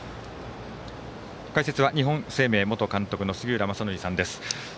解説は日本生命元監督の杉浦正則さんです。